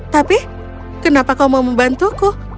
tapi kenapa kau mau membantuku